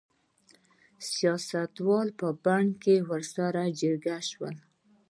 سیاستوال په بن کې سره جرګه شول.